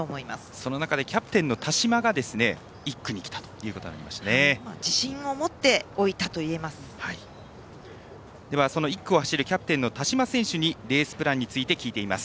その中でキャプテンの田島が１区に自信を持ってでは、その１区を走るキャプテンの田島選手にレースプランについて聞いています。